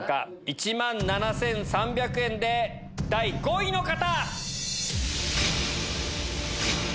１万７３００円で第５位の方！